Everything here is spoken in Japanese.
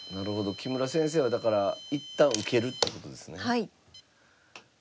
木村先生はだから一旦受けるってことですね。